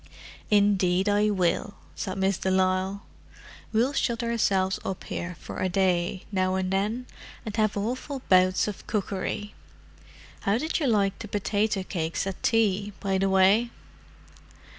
"Indeed I will," said Miss de Lisle. "We'll shut ourselves up here for a day, now and then, and have awful bouts of cookery. How did you like the potato cakes at tea, by the way?"